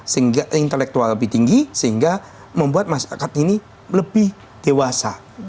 sehingga membuat masyarakat ini lebih dewasa